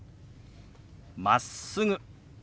「まっすぐ」。